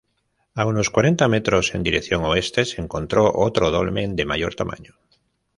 A unos cuarenta metros en dirección oeste se encontró otro dolmen de mayor tamaño.